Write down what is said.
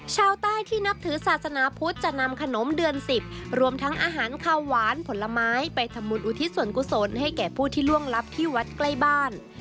ชาวใต้ที่นับถือศาสนาพุทธจะนำขนมเดือน๑๐รวมทั้งอาหารข้าวหวานผลไม้ไปทำบุญอุทิศส่วนกุศลให้แก่ผู้ที่ล่วงลับที่วัดใกล้บ้าน